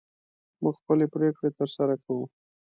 موږ خپلې پرېکړې تر سره کوو.